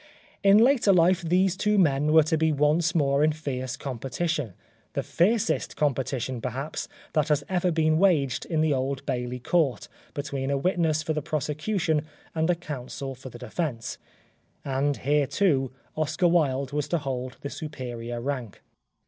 In later life these two men were to be once more in fierce competition, the fiercest competition, perhaps, that has ever been waged in the Old Bailey Court between a witness for the prosecu tion and a counsel for the defence ; and here too Oscar Wilde was to hold the superior rank.